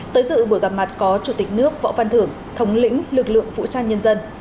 tới dự buổi gặp mặt có chủ tịch nước võ văn thưởng thống lĩnh lực lượng vũ trang nhân dân